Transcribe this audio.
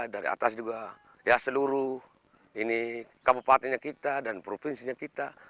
dari atas juga ya seluruh ini kabupatennya kita dan provinsinya kita